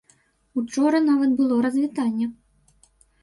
Учора нават было развітанне.